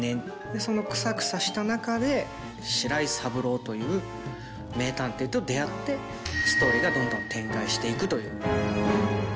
そのクサクサした中で白井三郎という名探偵と出会ってストーリーがどんどん展開していくという。